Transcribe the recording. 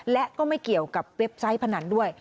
และก็ไม่เกี่ยวกับเว็บไซต์พนันด้วย